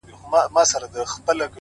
پلار وای دا لور چي پلاني پير ته ودېږي”